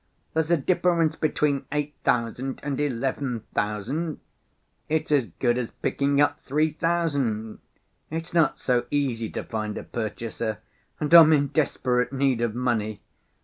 there's a difference between eight thousand and eleven thousand. It's as good as picking up three thousand; it's not so easy to find a purchaser, and I'm in desperate need of money.